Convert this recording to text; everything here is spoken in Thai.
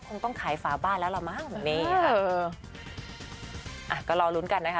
คงต้องขายฝาบ้านแล้วล่ะมั้งนี่ค่ะเอออ่ะก็รอลุ้นกันนะคะ